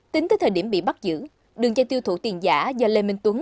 tính tới thời điểm bị bắt giữ đường dây tiêu thụ tiền giả do lê minh tuấn